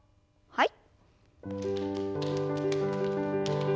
はい。